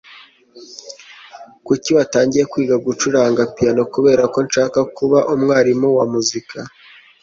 Kuki watangiye kwiga gucuranga piyano Kubera ko nshaka kuba umwarimu wa muzika